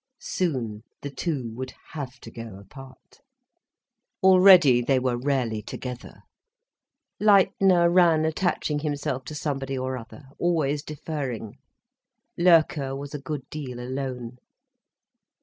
Soon the two would have to go apart. Already they were rarely together. Leitner ran attaching himself to somebody or other, always deferring, Loerke was a good deal alone.